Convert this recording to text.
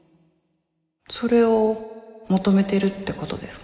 それを求めてるってことですか？